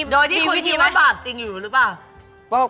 โดยที่คุณคิดว่าบาปจริงอยู่หรือเปล่ามีวิธีว่า